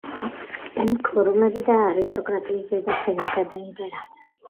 ქურუმები და არისტოკრატიის ზედა ფენა გადაიმტერა.